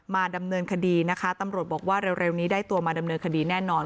ดำเนินคดีนะคะตำรวจบอกว่าเร็วนี้ได้ตัวมาดำเนินคดีแน่นอน